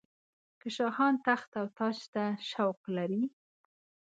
که شاهان تخت او تاج ته شوق لري.